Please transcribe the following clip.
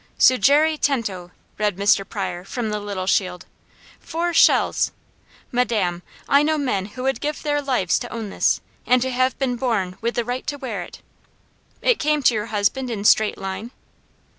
"Surgere tento!" read Mr. Pryor, from the little shield. "Four shells! Madame, I know men who would give their lives to own this, and to have been born with the right to wear it. It came to your husband in straight line?"